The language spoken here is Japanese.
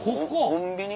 コンビニ？